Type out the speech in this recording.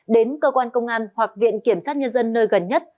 đến cơ quan công an hoặc viện kiểm sát nhân dân nơi gần nhất